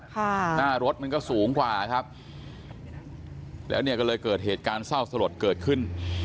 หน้ารถมันก็สูงกว่าครับแล้วเนี่ยก็เลยเกิดเหตุการณ์เศร้าสลดเกิดขึ้น